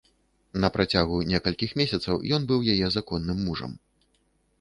На працягу некалькіх месяцаў ён быў яе законным мужам.